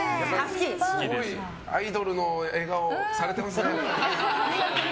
アイドルの笑顔されてますね。